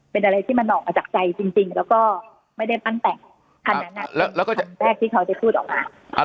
เป็นอะไรที่มันออกมาจากใจจริงแล้วก็ไม่ได้ปั้นแต่งอันนั้นแล้วก็อันแรกที่เขาจะพูดออกมา